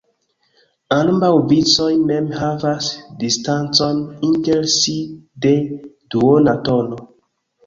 Ambaŭ vicoj mem havas distancon inter si de duona tono.